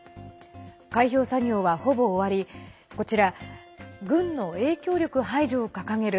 開票作業は、ほぼ終わりこちら、軍の影響力排除を掲げる